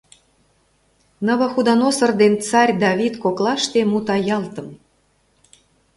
Новуходоносор ден царь Давид коклаште мутаялтым.